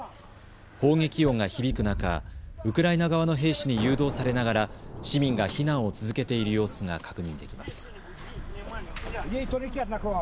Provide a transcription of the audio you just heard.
砲撃音が響く中、ウクライナ側の兵士に誘導されながら市民が避難を続けている様子が確認できます。